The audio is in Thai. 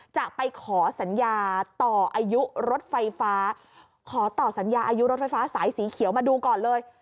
จะไปขอสัญญาต่ออายุรถไฟฟ้าขอต่อสัญญาอายุรถไฟฟ้าสายสีเขียวมาดูก่อนเลย